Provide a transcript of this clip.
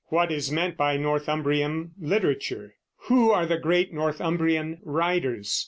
What is meant by Northumbrian literature? Who are the great Northumbrian writers?